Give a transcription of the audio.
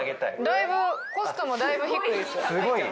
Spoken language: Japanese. だいぶコストもだいぶ低いですよ。